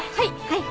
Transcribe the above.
はい！